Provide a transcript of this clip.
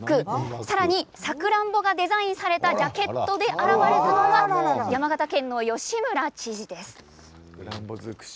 さらにサクランボがデザインされたジャケットで現れたのは山形県の吉村知事です。